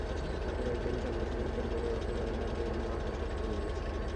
ঠাকুর একদিন সন্দেশের ভেতর করে ওঁকে জগন্নাথদেবের মহাপ্রসাদ খাইয়ে দিয়েছিলেন।